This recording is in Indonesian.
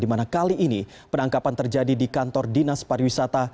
dimana kali ini penangkapan terjadi di kantor dinas pariwisata